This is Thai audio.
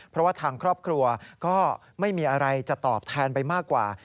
เพราะว่าทางครอบครัวก็ไม่มีอะไรจะตอบแทนไปมากกว่า